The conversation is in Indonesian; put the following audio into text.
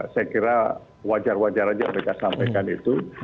saya kira wajar wajar saja mereka sampaikan itu